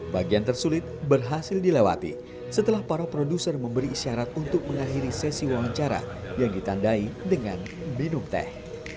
bagian tersulit berhasil dilewati setelah para produser memberi isyarat untuk mengakhiri sesi wawancara yang ditandai dengan minum teh